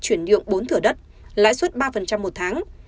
chuyển nhượng bốn thửa đất lãi suất ba một tháng